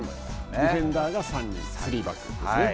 ディフェンダーが３人スリーバックですね。